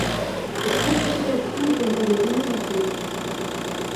Cette classification est aujourd’hui remise en cause.